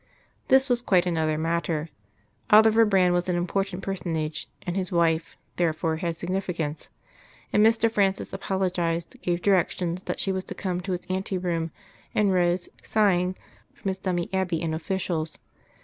This was quite another matter. Oliver Brand was an important personage, and his wife therefore had significance, and Mr. Francis apologised, gave directions that she was to come to his ante room, and rose, sighing, from his dummy Abbey and officials.